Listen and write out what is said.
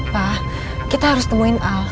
pak kita harus temuin out